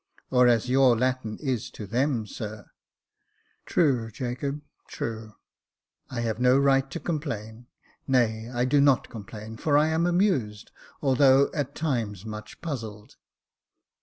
"Or as your Latin is to them, sir." " True, Jacob, true. I have no right to complain ; nay, I do not complain, for I am amused, although at times much puzzled."